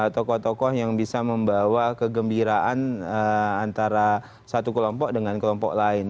tokoh tokoh yang bisa membawa kegembiraan antara satu kelompok dengan kelompok lain